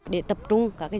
để tập trung các dạng